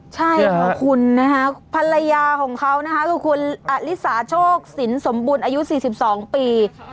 ใช่ขอบคุณนะฮะภรรยาของเขานะฮะริสาโชคริสมบุตรอายุ๔๒ปี